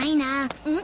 うん？